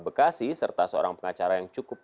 bekasi serta seorang pengacara yang cukup